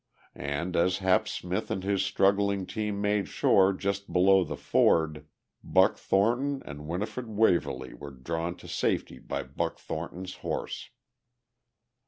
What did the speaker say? And as Hap Smith and his struggling team made shore just below the ford, Buck Thornton and Winifred Waverly were drawn to safety by Buck Thornton's horse.